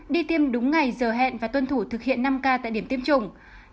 đi tiêm đúng ngày giờ hẹn và tuân thủ thực hiện năm k tại điểm tiêm chủng